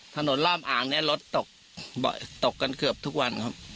ถนนรอบอ่างเนี้ยรถตกตกกันเกือบทุกวันครับ